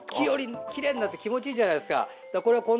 きれいになって気持ちいいじゃないですか。